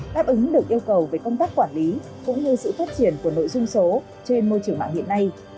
đáp ứng được yêu cầu về công tác quản lý cũng như sự phát triển của nội dung số trên môi trường mạng hiện nay